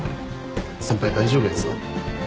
先輩大丈夫ですか？